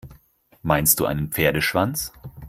Meinst du einen Pferdeschwanz?